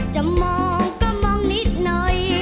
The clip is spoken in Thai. จะมองก็มองนิดหน่อย